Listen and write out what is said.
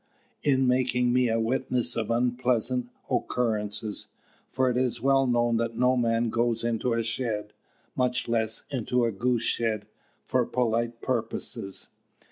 in making me a witness of unpleasant occurrences; for it is well known that no man goes into a shed, much less into a goose shed, for polite purposes.